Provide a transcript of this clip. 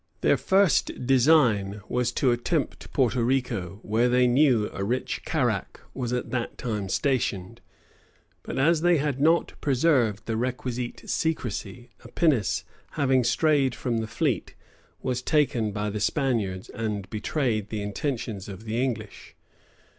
Their first design was to attempt Porto Rico, where, they knew, a rich carrack was at that time stationed; but as they had not preserved the requisite secrecy, a pinnace, having strayed from the fleet, was taken by the Spaniards, and betrayed the intentions of the English.